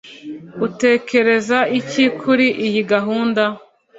utekereza iki kuri iyi gahunda